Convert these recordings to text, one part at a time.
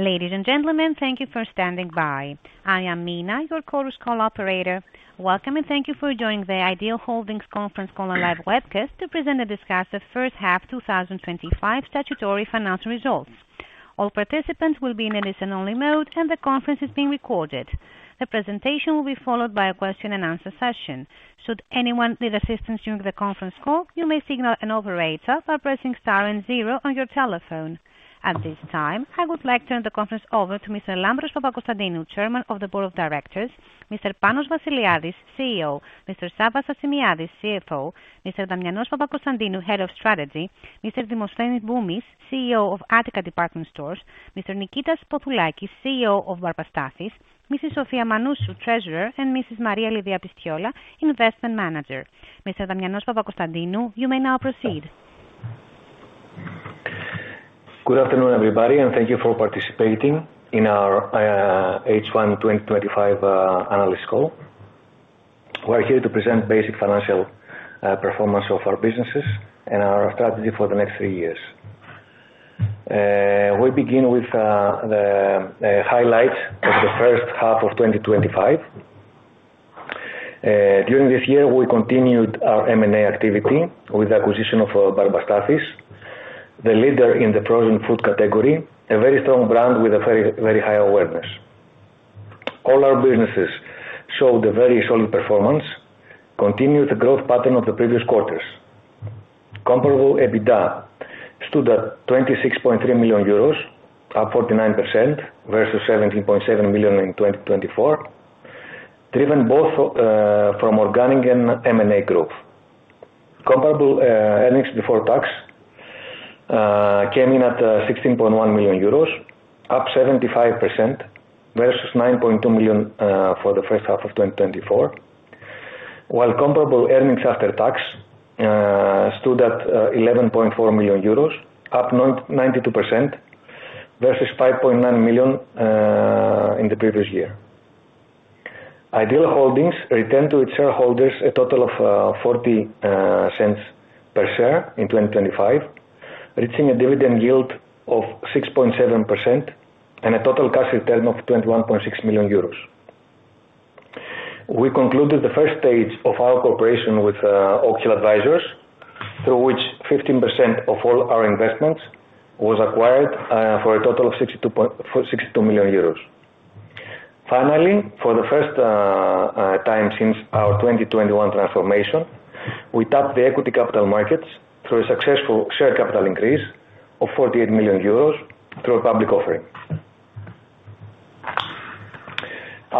Ladies and gentlemen, thank you for standing by. I am Mina, your Chorus Call operator. Welcome and thank you for joining the Ideal Holdings conference call and live webcast to present and discuss First Half twenty twenty five Statutory Financial Results. All participants will be in a listen only mode and the conference is being recorded. The presentation will be followed by a question and answer session. At this time, I would like to turn the conference over to Mr. Lambros Vaccusadinho, Chairman of the Board of Directors Mr. Panos Vassiliades, CEO Mr. Saba Sassimiades, CFO Mr. Damianos Papacostandino, Head of Strategy Mr. Dimoslanes Bumis, CEO of Ateca Department Stores Mr. Nikita Spottulakis, CEO of Varpastasis Mrs. Sofia Manuscio, Treasurer and Mrs. Maria Levi Apistiola, Investment Manager. Mr. Damianos Papostatinou, you may now proceed. Good afternoon, everybody, and thank you for participating in our H1 twenty twenty five Analyst Call. We're here to present basic financial performance of our businesses and our strategy for the next three years. We begin with the highlights of the 2025. During this year, we continued our M and A activity with the acquisition of Barbastafis, the leader in the frozen food category, a very strong brand with a very high awareness. All our businesses showed a very solid performance, continued the growth pattern of the previous quarters. Comparable EBITDA stood at €26,300,000 up 49% versus €17,700,000 in 2024, driven both from organic and M and A group. Comparable earnings before tax came in at €16,100,000 up 75% versus €9,200,000 for the 2024, while comparable earnings after tax stood at €11,400,000 up 92% versus €5,900,000 in the previous year. Ideal Holdings returned to its shareholders a total of €0.40 per share in 2025, reaching a dividend yield of 6.7% and a total cash return of €21,600,000 We concluded the first stage of our cooperation with Ocular Advisors through which 15% of all our investments was acquired for a total of €62,000,000 Finally, for the first time since our 2021 transformation, we tapped the equity capital markets through a successful share capital increase of €48,000,000 through a public offering.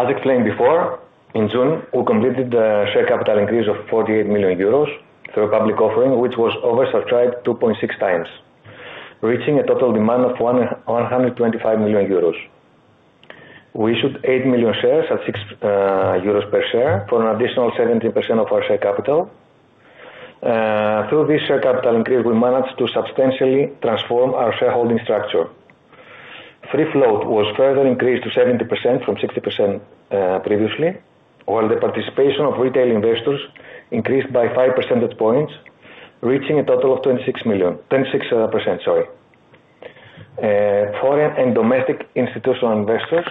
As explained before, in June, we completed the share capital increase of €48,000,000 through a public offering, was oversubscribed 2.6 times, reaching a total demand of €125,000,000 We issued 8,000,000 shares at €6 per share for an additional 17% of our share capital. Through this share capital increase, we managed to substantially transform our shareholding structure. Free float was further increased to 70% from 60% previously, while the participation of retail investors increased by five percentage points, reaching a total of $26,000,000 26%, sorry. Foreign and domestic institutional investors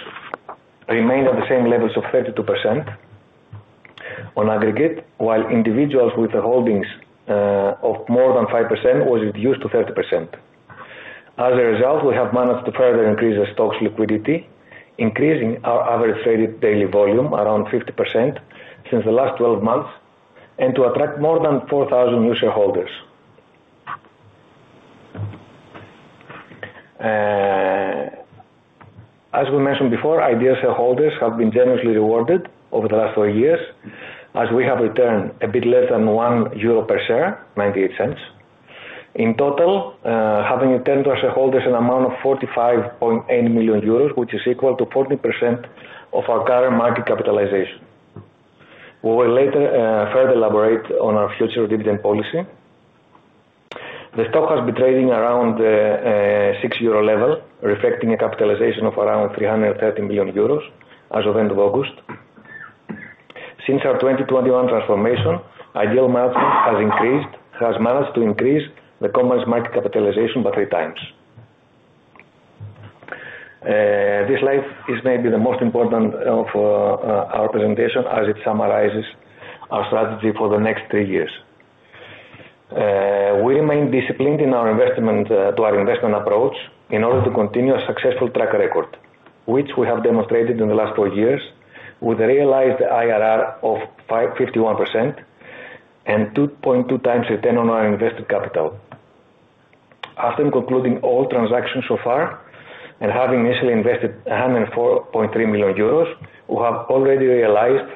remained at the same levels of 32% on aggregate, while individuals with the holdings of more than 5% was reduced to 30%. As a result, we have managed to further increase the stock's liquidity, increasing our average daily volume around 50% since the last twelve months and to attract more than 4,000 new shareholders. As we mentioned before, IDEA shareholders have been generously rewarded over the last four years as we have returned a bit less than 1 euro per share, 0.98. In total, having returned to our shareholders an amount of 45.8 million euros, which is equal to 40% of our current market capitalization. We will later further elaborate on our future dividend policy. The stock has been trading around €6 level, reflecting a capitalization of around €313,000,000 as of August. Since our 2021 transformation, Ideal Market has increased has managed to increase the commerce market capitalization by three times. This slide is maybe the most important of our presentation as it summarizes our strategy for the next three years. We remain disciplined in our investment to our investment approach in order to continue a successful track record, which we have demonstrated in the last four years with a realized IRR of fifty one percent and two point two times return on our invested capital. After concluding all transactions so far and having initially invested €104,300,000 we have already realized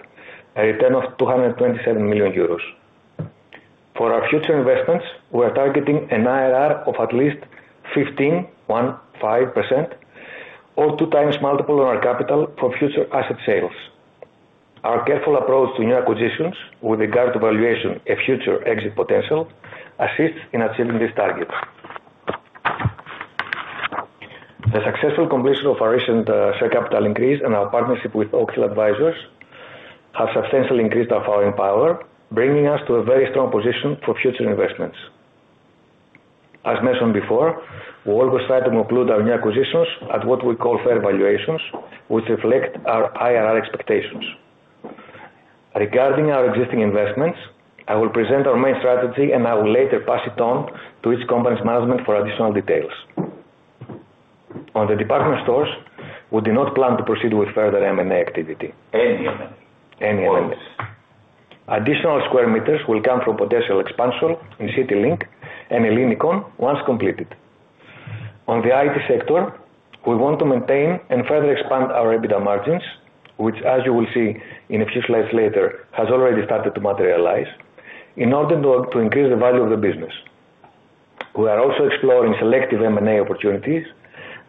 a return of €227,000,000 For our future investments, we are targeting an IRR of at least 15 one-five percent or two times multiple on our capital for future asset sales. Our careful approach to new acquisitions with regard to valuation and future exit potential assists in achieving these targets. The successful completion of our recent share capital increase and our partnership with Oak Hill Advisors have substantially increased our foreign power, bringing us to a very strong position for future investments. As mentioned before, we always try to conclude our new acquisitions at what we call fair valuations, which reflect our IRR expectations. Regarding our existing investments, I will present our main strategy and I will later pass it on to its company's management for additional details. On the department stores, we do not plan to proceed with further M and A activity. Additional square meters will come from potential expansion in CityLink and Elinicon once completed. On the IT sector, we want to maintain and further expand our EBITDA margins, which as you will see in a few slides later has already started to materialize in order to increase the value of the business. We are also exploring selective M and A opportunities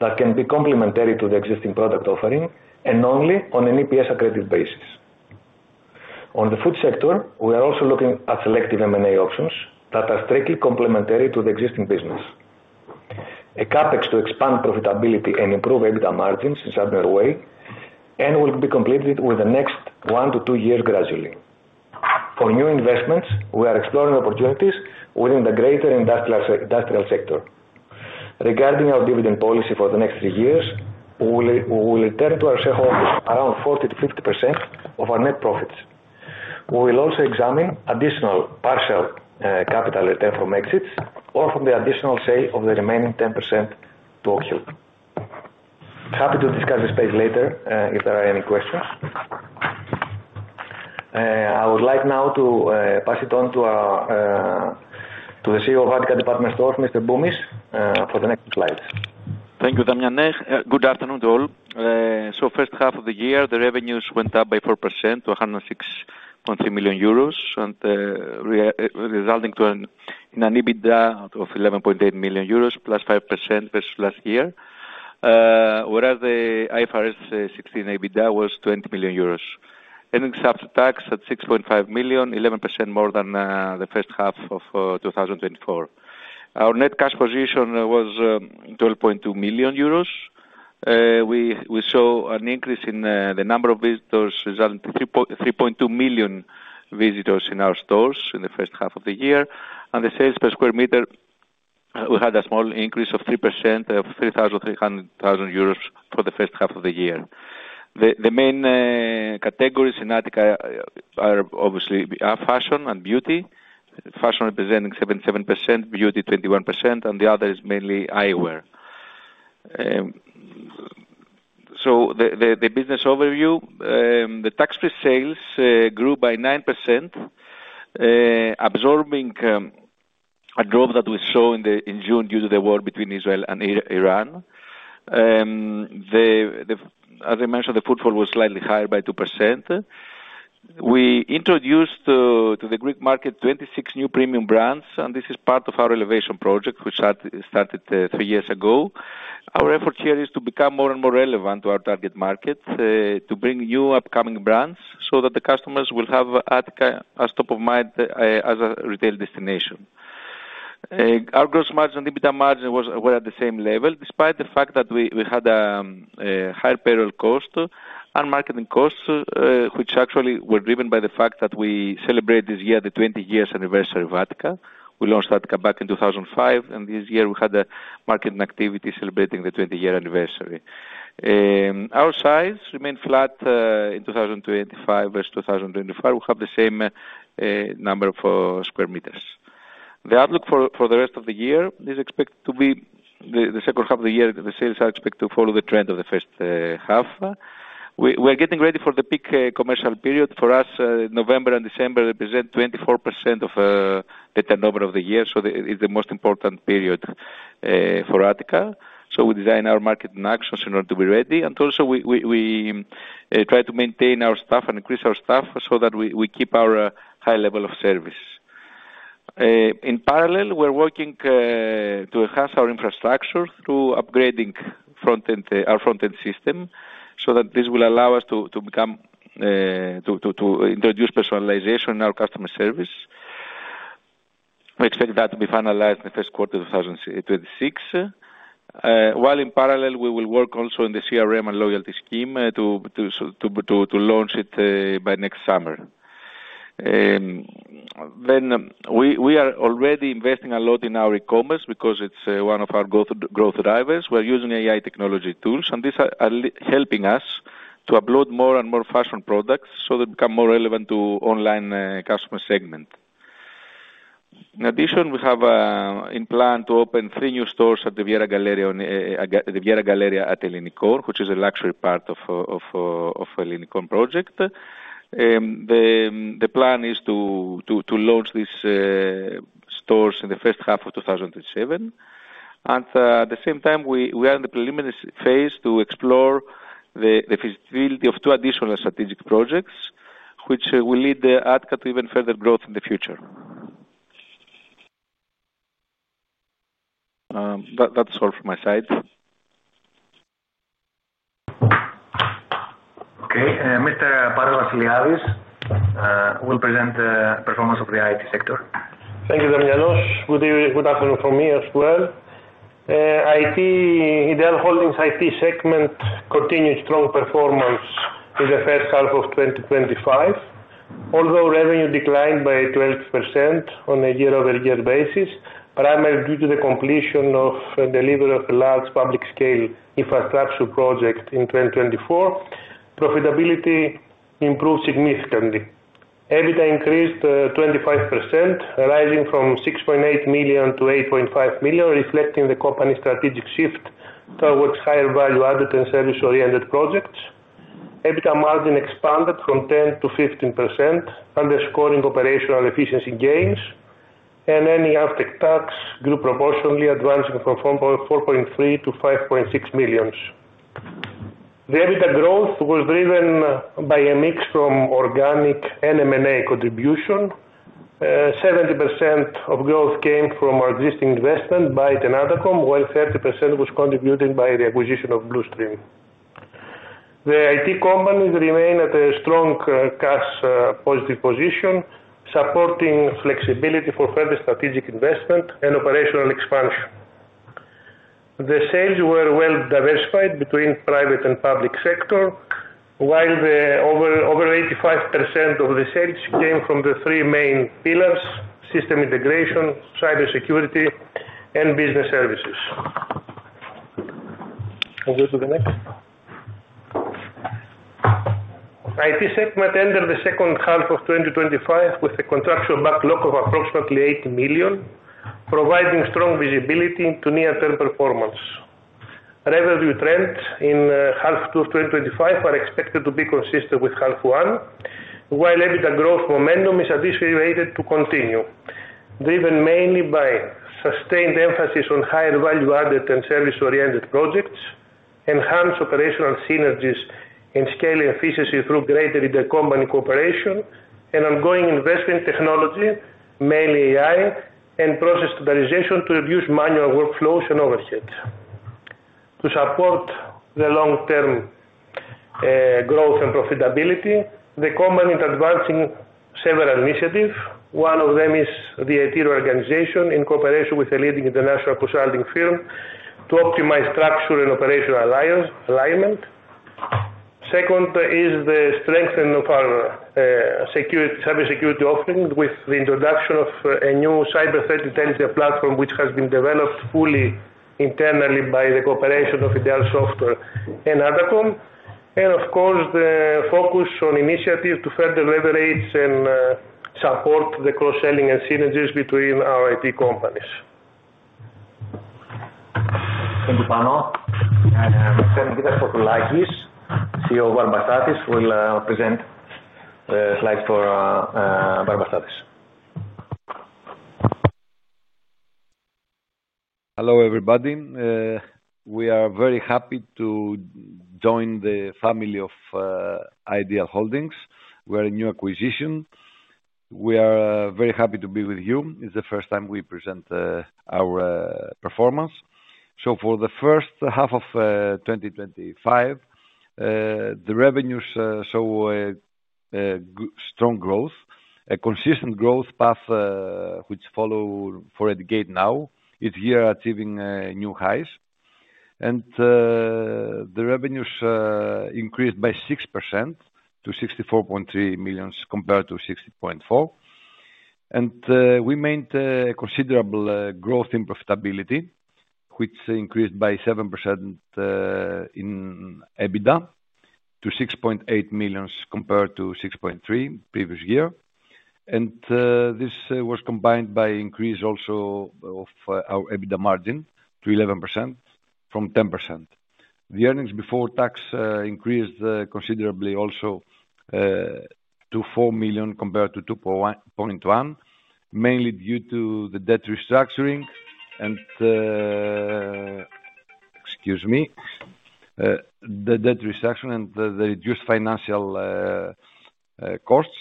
that can be complementary to the existing product offering and only on an EPS accretive basis. On the food sector, we are also looking at selective M and A options that are strictly complementary to the existing business. A CapEx to expand profitability and improve EBITDA margins is underway and will be completed over the next one to two years gradually. For new investments, we are exploring opportunities within the greater industrial sector. Regarding our dividend policy for the next three years, we will return to our shareholders around 40% to 50% of our net profits. We will also examine additional partial capital return from exits or from the additional sale of the remaining 10% to Oak Hill. Happy to discuss this page later if there are any questions. I would like now to pass it on to the CEO of Advair and Department Store, Mr. Bumis for the next slide. Thank you, Damian. Good afternoon to all. So first half of the year, the revenues went up by 4% to €106,300,000 and resulting to an EBITDA of €11,800,000 plus 5% versus last year. Whereas the IFRS 16 EBITDA was €20,000,000 Earnings after tax at €6,500,000 11% more than the 2024. Our net cash position was €12,200,000 We saw an increase in the number of visitors, result 3,200,000 visitors in our stores in the first half of the year. And the sales per square meter, we had a small increase of 3% of €3,000 for the first half of the year. The main categories in Ateca are obviously fashion and beauty. Fashion representing 77%, beauty 21% and the other is mainly eyewear. So the business overview, the tax free sales grew by 9%, absorbing a drop that we saw in June due to the war between Israel and Iran. As I mentioned, the footfall was slightly higher by 2%. We introduced to the Greek market 26 new premium brands and this is part of our Elevation project, which started three years ago. Our effort here is to become more and more relevant to our target market to bring new upcoming brands, so that the customers will have a top of mind as a retail destination. Our gross margin, EBITDA margin was were at the same level despite the fact that we had a higher payroll cost and marketing costs, which actually were driven by the fact that we celebrated this year the twenty years anniversary of vodka. We launched vodka back in 02/2005. And this year, we had a marketing activity celebrating the twenty year anniversary. Our size remained flat in 2025 versus 2025. We have the same number for square meters. The outlook for the rest of the year is expected to be the second half of the year, the sales are expected to follow the trend of the first half. We're getting ready for the peak commercial period. For us, November and December represent 24% of the turnover of the year. So it's the most important period for Ateca. So we design our market in action to be ready. And also, we try to maintain our staff and increase our staff so that we keep our high level of service. In parallel, we're working to enhance our infrastructure through upgrading our front end system, so that this will allow us to become to introduce personalization in our customer service. We expect that to be finalized in the first quarter twenty twenty six. While in parallel, we will work also in the CRM and loyalty scheme to launch it by next summer. Then we are already investing a lot in our e commerce because it's one of our growth drivers. We're using AI technology tools and these are helping us to upload more and more fashion products so they become more relevant to online customer segment. In addition, we have in plan to open three new stores at the Viera Galeria at Elinikor, which is a luxury part of Elinikor project. The plan is to launch these stores in the 2007. And at the same time, are in the preliminary phase to explore the feasibility of two additional strategic projects, which will lead the ADCAT to even further growth in the future. That's all from my side. Okay. Mr. Pablo Aslihabis the revenues show strong growth, a consistent growth path which follow for Edgate now, is here achieving new highs. And the revenues increased by 6% to 64,300,000.0 compared to 60,400,000.0. And we made a considerable growth profitability, which increased by 7% in EBITDA to €6,800,000 compared to 6,300,000.0 previous year. And this was combined by increase also of our EBITDA margin to 11 from 10%. The earnings before tax increased considerably also to €4,000,000 compared to 2,100,000.0 mainly due to the debt restructuring and, excuse me, the debt restructuring and the reduced financial costs.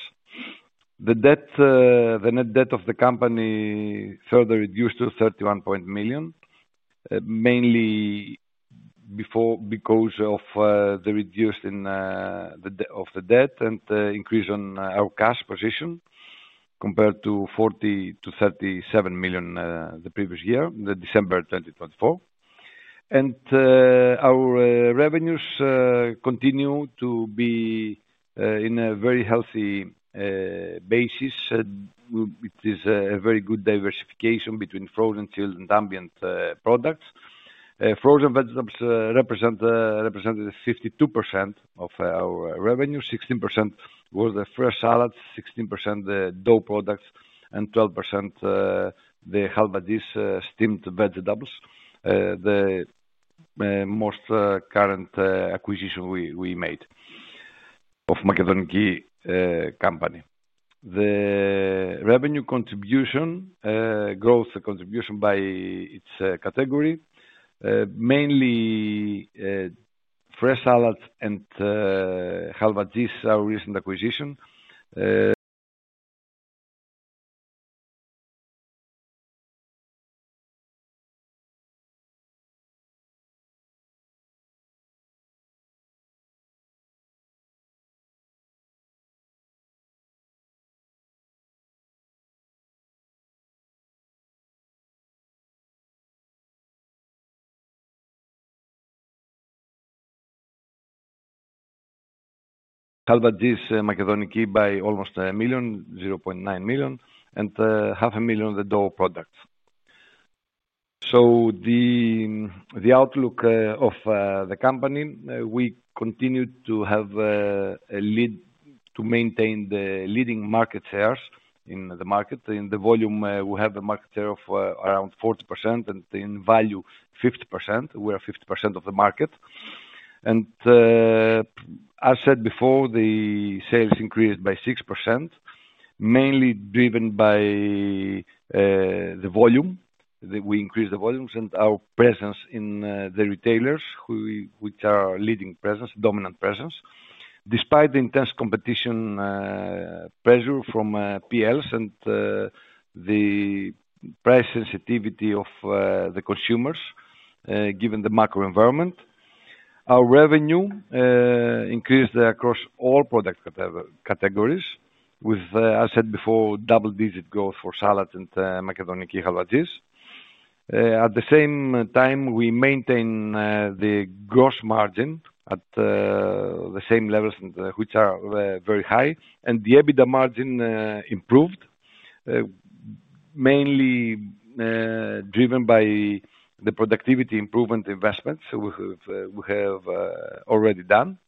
The debt the net debt of the company further reduced to 31,000,000, mainly before because of the reduced in the of the debt and increase in our cash position compared to 40,000,000 to 37,000,000 the previous year, the December 2024. And our revenues continue to be in a very healthy basis. It is a very good diversification between frozen chilled and ambient products. Frozen vegetables represented 52% of our revenue, 16% was the fresh salad, 16% the dough products, and 12% the Halbanese steamed vegetables, the most current acquisition we we made of McEden Key company. The revenue contribution, growth contribution by its category, mainly Fresh Alert and Halvadis, our recent acquisition. About this megatonic key by almost a million, 900,000.0, and half a million of the door products. So the outlook of the company, we continue to have a lead to maintain the leading market shares in the market. In the volume, we have market share of around 40% and in value, 50%. We are 50% of the market. And as said before, the sales increased by 6%, mainly driven by the volume that we increased the volumes and our presence in the retailers, which are our leading presence, dominant presence. Despite the intense competition pressure from PLs and the price sensitivity of the consumers given the macro environment. Our revenue increased across all product categories with, as said before, double digit growth for salads and macadoni and kiihavadis. At the same time, we maintain the gross margin at the same levels, which are very high. And the EBITDA margin improved, mainly driven by the productivity improvement investments we have already done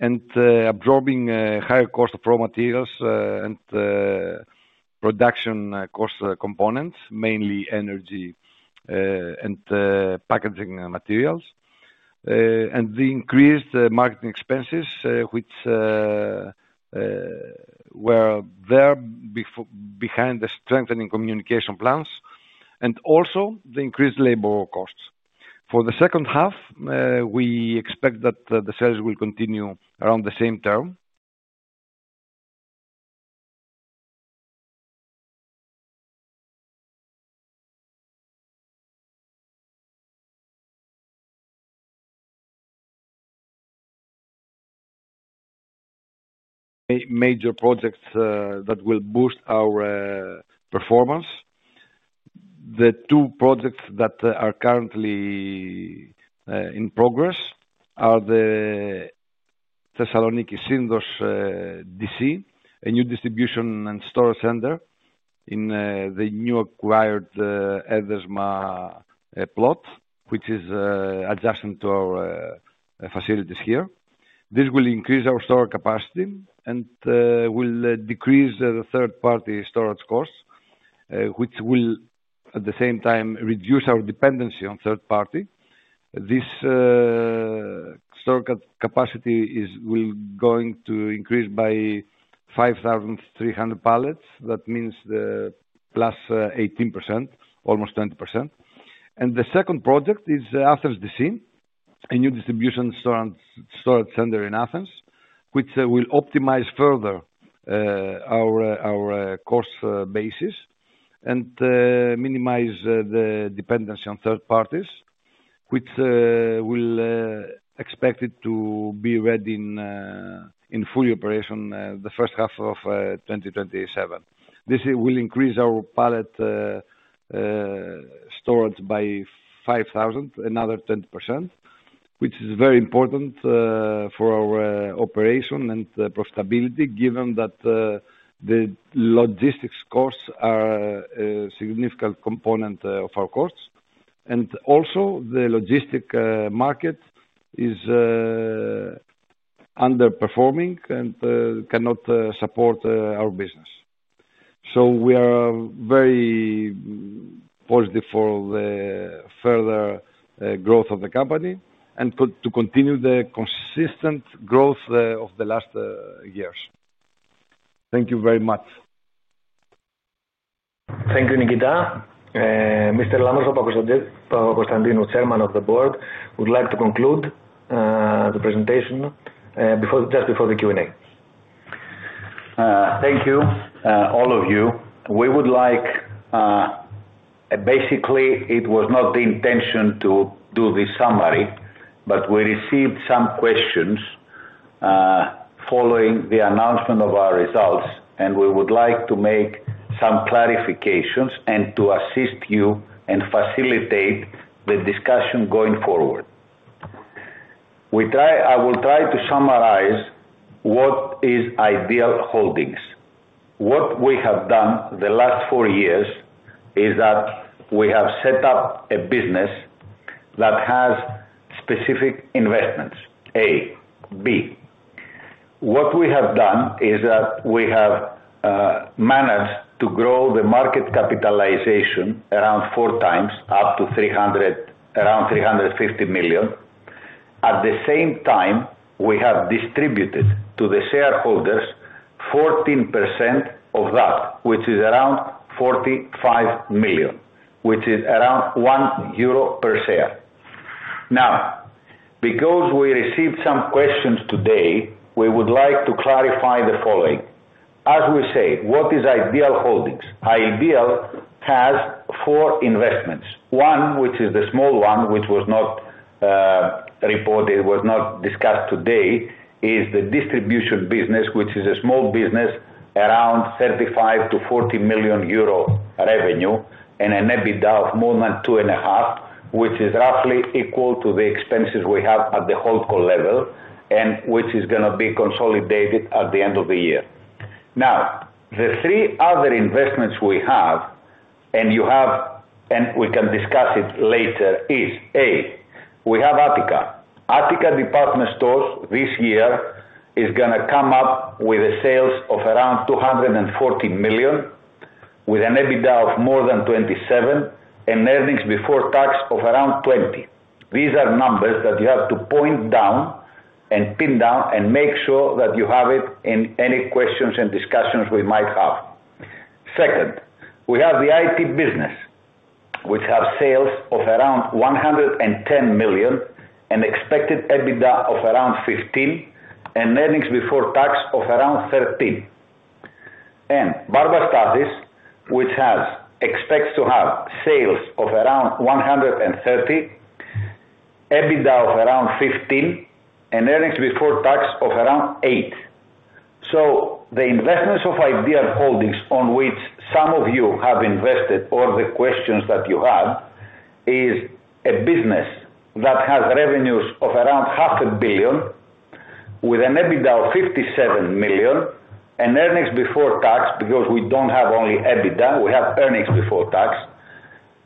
and absorbing higher cost of raw materials and production cost components, mainly energy and packaging materials. And the increased marketing expenses, which were there behind the strengthening communication plans and also the increased labor costs. For the second half, we expect that the sales will continue around the same term. Major projects that will boost our performance. The two projects that are currently in progress are the Thessaloniki Syndos DC, a new distribution and store center in the new acquired Edesma plot, which is adjacent to our facilities here. This will increase our store capacity and will decrease the third party storage costs, which will at the same time reduce our dependency on third party. This store capacity is going to increase by 5,300 pallets. That means the plus 18%, almost 20%. And the second project is Athens DC, a new distribution storage center in Athens, which will optimize further our cost basis and minimize the dependence on third parties, which will expect it to be ready in full operation the 2027. This will increase our pallet storage by 5,000, another 10%, which is very important for our operation and profitability given that the logistics costs are a significant component of our costs. And also the logistic market is underperforming and cannot support our business. So we are very positive for the further growth of the company the presentation before just before the Q and A. Thank you all of you. We would like basically it was not the intention to do the summary, but we received some questions following the announcement of our results and we would like to make some clarifications and to assist you and facilitate the discussion going forward. We try I will try to summarize what is Ideal Holdings. What we have done the last four years is that we have set up a business that has specific investments, a. B, what we have done is that we have managed to grow the market capitalization around four times up to 300,000,000 around $350,000,000 At the same time, we have distributed to the shareholders 14% of that, which is around €45,000,000 which is around €1 per share. Now because we received some questions today, we would like to clarify the following. As we say, what is Ideal Holdings? Ideal has four investments. One, which is the small one, which was not reported, was not discussed today is the distribution business, which is a small business around 35 million to 40 million euro revenue and an EBITDA of more than 2.5, which is roughly equal to the expenses we have at the HoldCo level and which is going to be consolidated at the end of the year. Now the three other investments we have and you have and we can discuss it later is A, we have Attica. Attica department stores this year is going to come up with a sales of around $240,000,000 with an EBITDA of more than 27,000,000 and earnings before tax of around 20,000,000 These are numbers that you have to point down and pin down and make sure that you have it in any questions and discussions we might have. Second, we have the IT business, which have sales of around $110,000,000 and expected EBITDA of around 15,000,000 and earnings before tax of around 13 And Barbastatis, which has expects to have sales of around 130, EBITDA of around 15 and earnings before tax of around 8. So the investments of Ideal Holdings on which some of you have invested or the questions that you have is a business that has revenues of around $05,000,000,000 with an EBITDA of $57,000,000 and earnings before tax, because we don't have only EBITDA, we have earnings before tax,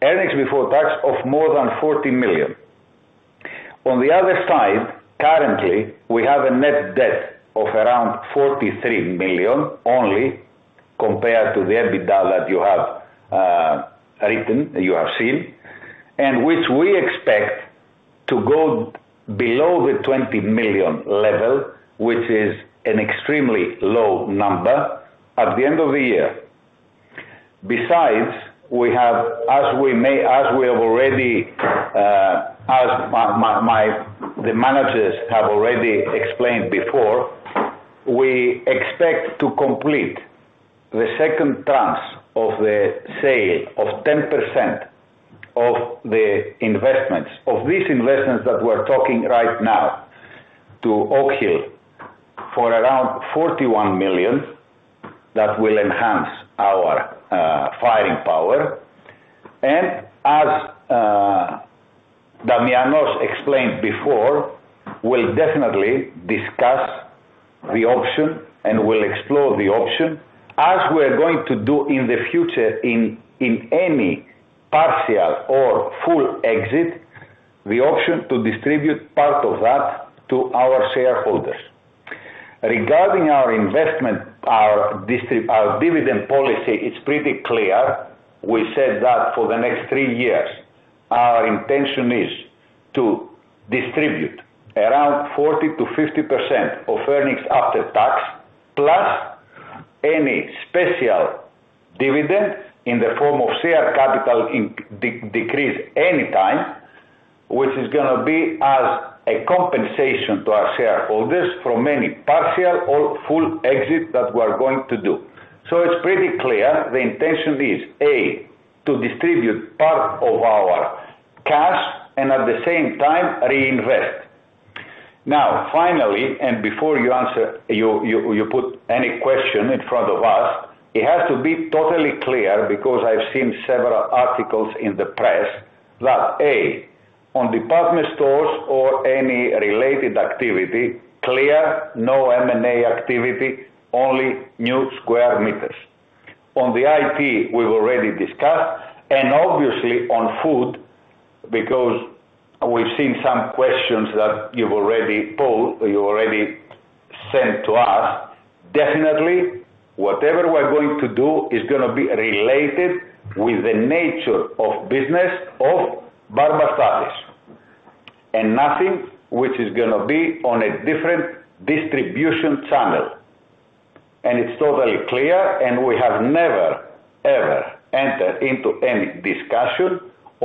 earnings before tax of more than 40,000,000 On the other side, currently we have a net debt of around $43,000,000 only compared to the EBITDA that you have written, that you have seen, and which we expect to go below the $20,000,000 level, which is an extremely low number at the end of the year. Besides, we have as we may as we have already as my the managers have already explained before, we expect to complete the second tranche of the sale of 10% of the investments of these investments that we're talking right now to Oak Hill for around $41,000,000 that will enhance our firing power. And as Damianos explained before, we'll definitely discuss the option and we'll explore the option as we're going to do in the future in any partial or full exit, the option to distribute part of that to our shareholders. Regarding our investment, our dividend policy, it's pretty clear. We said that for the next three years, our intention is to distribute around 40% to 50% of earnings after tax plus any special dividend in the form of share capital decrease anytime, which is going to be as a compensation to our shareholders from any partial or full exit that we're going to do. So it's pretty clear the intention is A, to distribute part of our cash and at the same time reinvest. Now finally and before you answer you put any question in front of us, it has to be totally clear because I've seen several articles in the press that A, on department stores or any related activity, no M and A activity, only new square meters. On the IT, we've already discussed. And obviously on food, because we've seen some questions that you've already posed you already sent to us, definitely whatever we're going to do is going to be related with the nature of business of Barbara Stattles and nothing which is going to be on a different distribution channel. And it's totally clear and we have never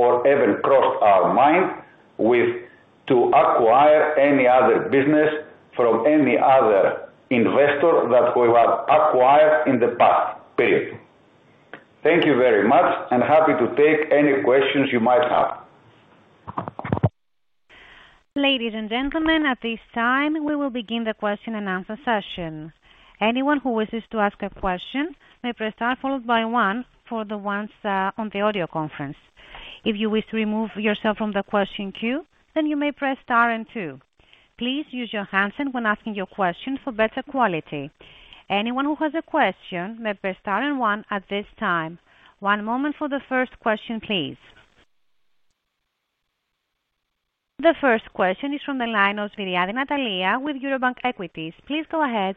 ever entered into any discussion or even crossed our mind with to acquire any other business from any other investor that we have acquired in the past period. Thank you very much and happy to take any questions you might have. Ladies and gentlemen, at this time, we will begin the question and answer session. The first question is from the line of Viriade Natalia with Eurobank Equities. Please go ahead.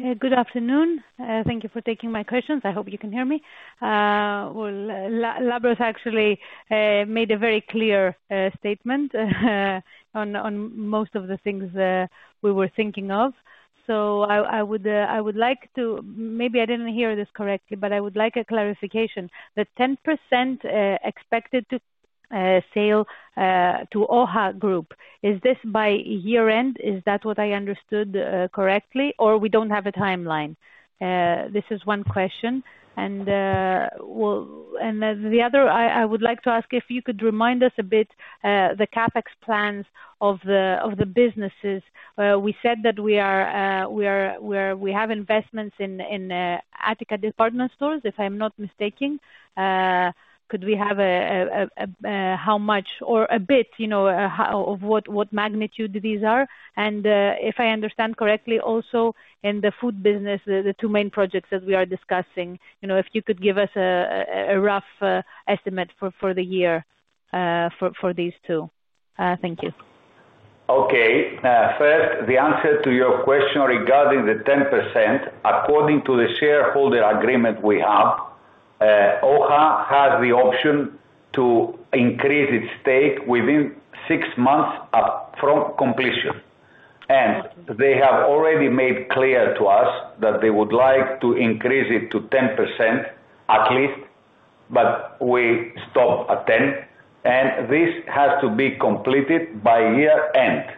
Good afternoon. Thank you for taking my questions. I hope you can hear me. Labros actually made a very clear statement on most of the things we were thinking of. So I would like to maybe I didn't hear this correct, but I would like a clarification. The 10% expected to sale to OHA Group, is this by year end? Is that what I understood correctly? Or we don't have a time line? This is one question. And the other, I would like to ask if you could remind us a bit the CapEx plans of the businesses. We said that we are we have investments in Attica department stores, if I'm not mistaken. Could we have how much or a bit of what magnitude these are? And if I understand correctly, also in the Food business, the two main projects that we are discussing, if you could give us a rough estimate for the year for these two? Thank you. Okay. First, the answer to your question regarding the 10% according to the shareholder agreement we have, OHA has the option to increase its stake within six months up from completion. And they have already made clear to us that they would like to increase it to 10% at least, but we stopped at 10%. And this has to be completed by year end.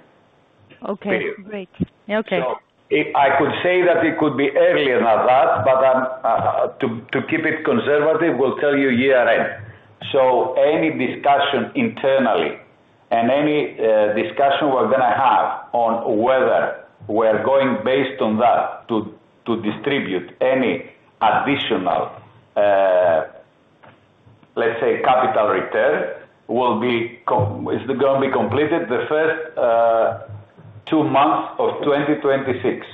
Great. Okay. So I could say that it could be earlier than that, but to keep it conservative, we'll tell you year end. So any discussion internally and any discussion we're going to have on whether we're going based on that to distribute any additional, let's say, capital return will be is going to be completed the 2026.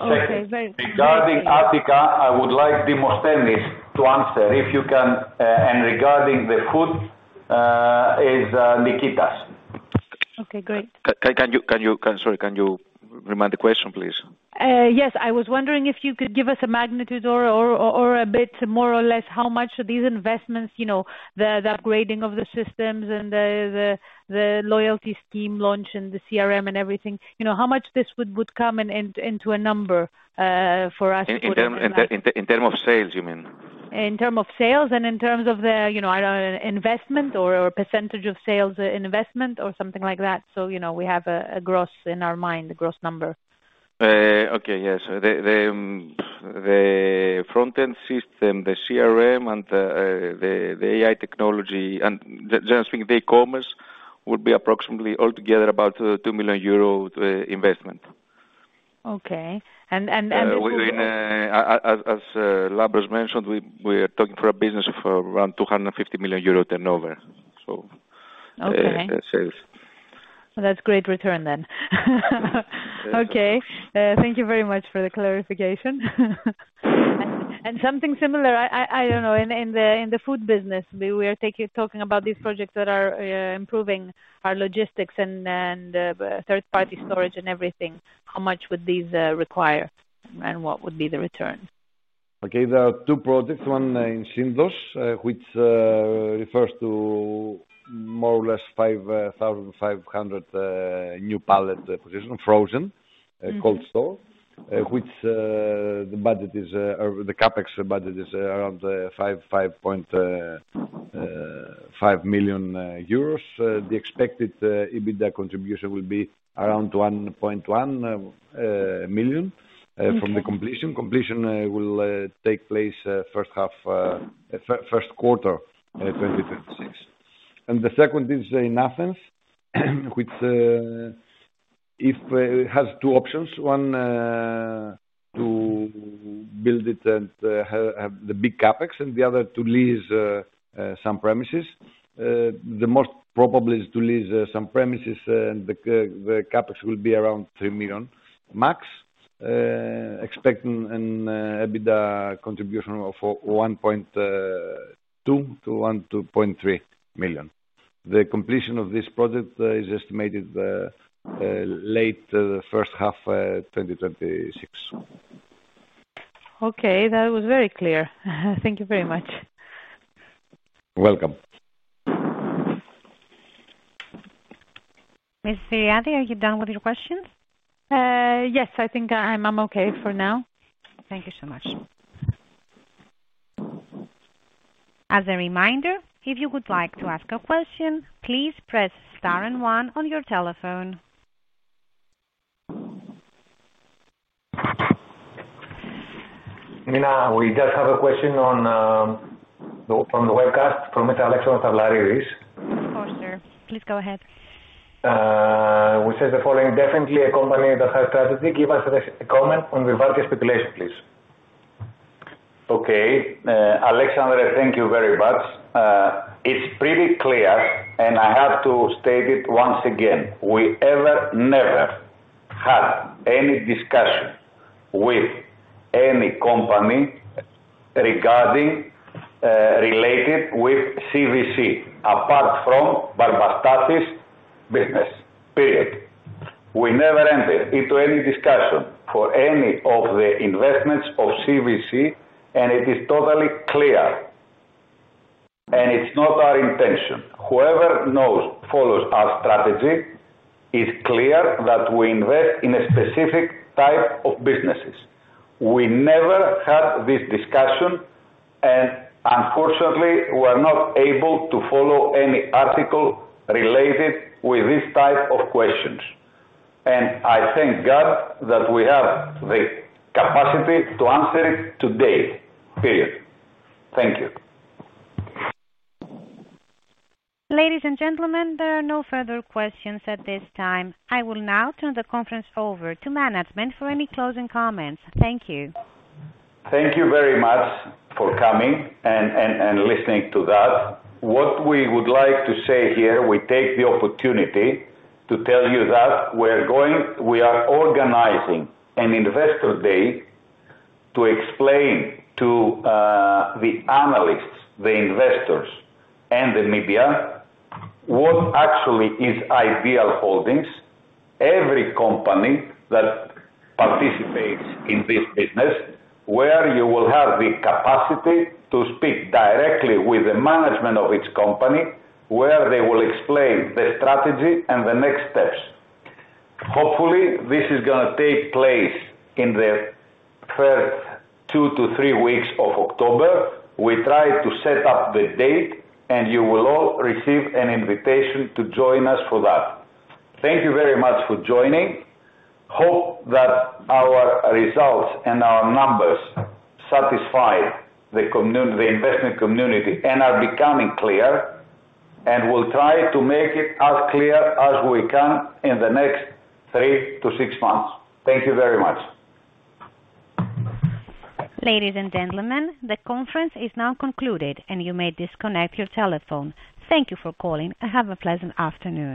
Regarding Attica, I would like Dimostenis to answer if you can and regarding the food is Nikitas. Okay, great. Can you remind the question please? Yes. I was wondering if you could give us a magnitude or a bit more or less how much of these investments, the upgrading of the systems and the loyalty scheme launch and the CRM and everything, how much this would come into a number for us put it terms in of sales, you mean? In terms of sales and in terms of the, I don't know, investment or percentage of sales investment or something like that. So we have a gross in our mind, a gross number. Okay. Yes. So the front end system, the CRM and the AI technology and just speaking, the e commerce would be approximately altogether about 2,000,000 euro investment. Okay. And as Labros mentioned, we are talking for a business of around €250,000,000 turnover. So, that's a great return then. Okay. Thank you very much for the clarification. And something similar, I don't know, in the food business, we are talking about these projects that are improving our logistics and third party storage and everything. How much would these require? And what would be the return? Okay. There are two projects, one in Sindos, which refers to more or less 5,500 new pallet position frozen cold store, which the budget is the CapEx budget is around 5,500,000.0. The expected EBITDA contribution will be around 1,100,000.0 from the completion. Completion will take place first half first quarter twenty twenty six. And the second is in Athens, which if it has two options, one to build it and have the big CapEx and the other to lease some premises. The most probably is to lease some premises and the CapEx will be around 3,000,000 max, expecting an EBITDA contribution of 1,200,000.0 to EUR $1.2300000.0. The completion of this project is estimated late first half twenty twenty six. Okay. That was very clear. Thank you very much. Welcome. Ms. Sediati, are you done with your questions? Yes, think I'm okay for now. Thank you so much. We just have a question on the webcast from Mr. Alex Ostadleri Ruiz. Of course, sir. Please go ahead. We said the following, definitely a company that has strategy. Give us a comment on the market speculation, please. Okay. Alexandre, thank you very much. It's pretty clear and I have to state it once again, we ever never had any discussion with any company regarding related with CVC apart from Barbastati's business period. We never entered into any discussion for any of the investments of CVC and it is totally clear and it's not our intention. Whoever knows follows our strategy is clear that we invest in a specific type of businesses. We never had this discussion and unfortunately, we're not able to follow any article related with this type of questions. And I thank God that we have the capacity to answer it today, period. Thank you. Ladies and gentlemen, there are no further questions at this time. I will now turn the conference over to management for any closing comments. Thank you. Thank you very much for coming and listening to that. What we would like to say here, we take the opportunity to tell you that we're going we are organizing an Investor Day to explain to the analysts, the investors and the media what actually is Ideal Holdings. Every company that participates in this business, where you will have the capacity to speak directly with the management of each company, where they will explain the strategy and the next steps. Hopefully, this is going to take place in the first two to three weeks of October. We try to set up the date and you will all receive an invitation to join us for that. Thank you very much for joining. Hope that our results and our numbers satisfy the investment community and are becoming clear and we'll try to make it as clear as we can in the next three to six months. Thank you very much. Ladies and gentlemen, the conference is now concluded and you may disconnect your telephone. Thank you for calling and have a pleasant afternoon.